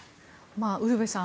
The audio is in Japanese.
ウルヴェさん